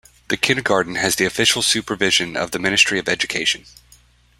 The kindergarten has the official supervision of the Ministry of Education.